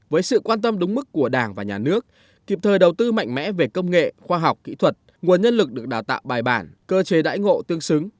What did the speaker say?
với sự quan tâm đúng mức của đảng và nhà nước kịp thời đầu tư mạnh mẽ về công nghệ khoa học kỹ thuật nguồn nhân lực được đào tạo bài bản cơ chế đãi ngộ tương xứng